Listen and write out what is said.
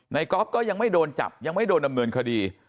ก๊อฟก็ยังไม่โดนจับยังไม่โดนดำเนินคดี